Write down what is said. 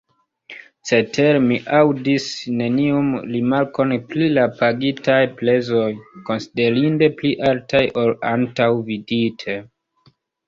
Cetere, mi aŭdis neniun rimarkon pri la pagitaj prezoj, konsiderinde pli altaj ol antaŭvidite.